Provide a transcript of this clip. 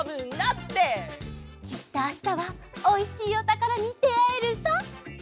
きっとあしたはおいしいおたからにであえるさ！